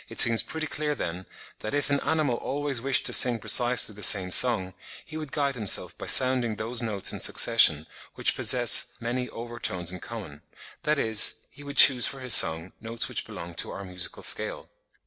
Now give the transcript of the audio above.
It seems pretty clear then, that if an animal always wished to sing precisely the same song, he would guide himself by sounding those notes in succession, which possess many over tones in common—that is, he would choose for his song, notes which belong to our musical scale.